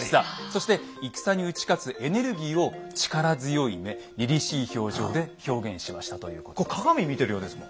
そして戦に打ち勝つエネルギーを力強い目りりしい表情で表現しましたということです。